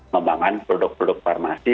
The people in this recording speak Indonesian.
membangun produk produk farmasi